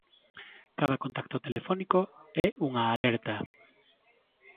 Cada contacto telefónico é unha alerta.